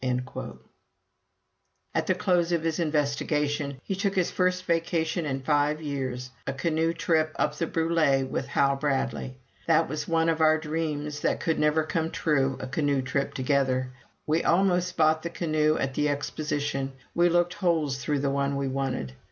At the close of his investigation, he took his first vacation in five years a canoe trip up the Brulé with Hal Bradley. That was one of our dreams that could never come true a canoe trip together. We almost bought the canoe at the Exposition we looked holes through the one we wanted.